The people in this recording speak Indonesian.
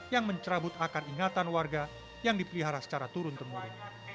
yang mencerabut akan ingatan warga yang dipelihara secara turun temurun